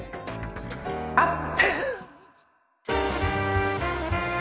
あっ！